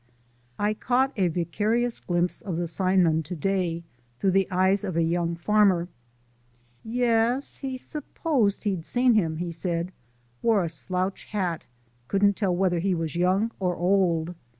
I caught a vicarious glimpse of the sign man to day, through the eyes of a young farmer. Yes, he s'posed he'd seen him, he said; wore a slouch hat, couldn't tell whether he was young or old.